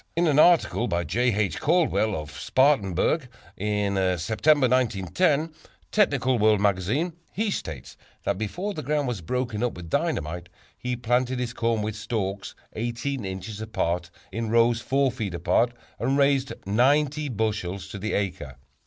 In an article by J. H. Caldwell, of Spartanburg, S. C., in the September, 1910, Technical World Magazine, he states that before the ground was broken up with dynamite, he planted his corn with stalks 18 inches apart in rows 4 feet apart and raised 90 bushels to the acre.